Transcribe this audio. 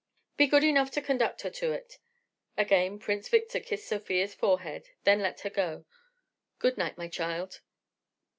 "Be good enough to conduct her to it." Again Prince Victor kissed Sofia's forehead, then let her go. "Good night, my child."